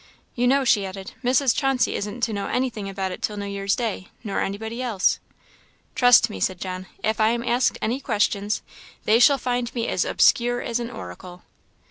You know," she added, "Mrs. Chauncey isn't to know anything about it till New Year's day; nor anybody else." "Trust me," said John. "If I am asked any questions, they shall find me as obscure as an oracle."